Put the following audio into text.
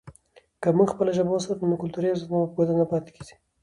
که موږ خپله ژبه وساتو، نو کلتوري ارزښتونه به ګوته ته پاتې سي.